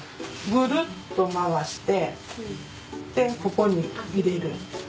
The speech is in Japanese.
ぐるっと回してでここに入れる。